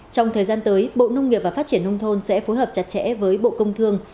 trong thời gian tới bộ nông nghiệp và phát triển nông thôn sẽ phối hợp chặt chẽ với bộ công thương